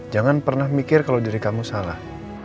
jangan pernah mikir kalau diri kamu salah